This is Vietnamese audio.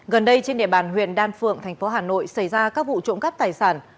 gần đây trên địa bàn huyện đan phượng thành phố hà nội xảy ra các vụ trộm cắp tài sản